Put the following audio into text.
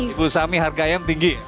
ibu sami harga ayam tinggi